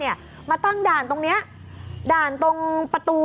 ก็ไม่มีอำนาจ